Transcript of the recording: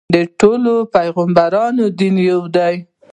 د ټولو پیغمبرانو دین یو دی.